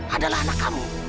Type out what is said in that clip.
adalah anak kamu